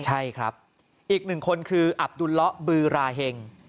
ใช่ครับอีก๑คนคืออับดุลละบืราเหง